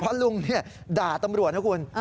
เพราะลุงด่าตำรวจนะคุณ